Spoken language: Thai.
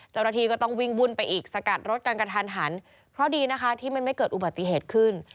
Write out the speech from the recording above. เจ้าหน้าที่ก็ต้องวิ่งวุ่นไปอีกสกัดรถกันกระทันหันเพราะดีนะคะที่มันไม่เกิดอุบัติเหตุขึ้น